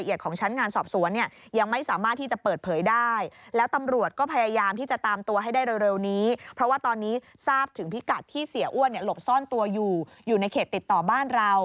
อยู่ในเขตติดต่อบ้านเรา